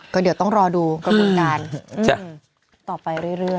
ก็เดี๋ยวต้องรอดูกระบวนการต่อไปเรื่อย